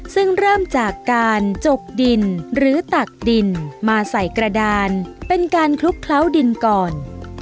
ซึ่งเริ่มจากการจกดินหรือตักดินมาใส่กระดานเป็นการคลุกเคล้าดินก่อน